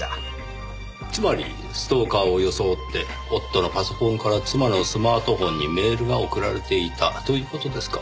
つまりストーカーを装って夫のパソコンから妻のスマートフォンにメールが送られていたという事ですか。